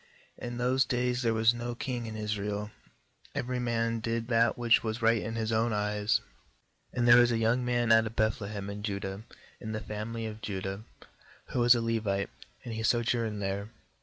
6In those days there was no king in Israel; every man did that which was right in his own eyes. 7And there was a young man out of Beth lehem in Judah — in the family of Judah — who was a Levite, and he sojourned there.